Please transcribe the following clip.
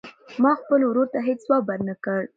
ما خپل ورور ته هېڅ ځواب ورنه کړ.